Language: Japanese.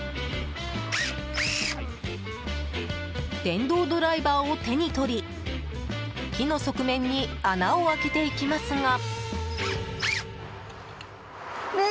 電動ドライバーを手に取り木の側面に穴を開けていきますが。